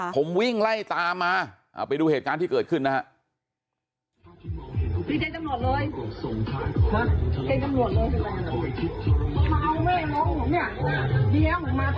ผมวิ่งไล่ตามมาไปดูเหตุการณ์ที่เกิดขึ้นนะฮะ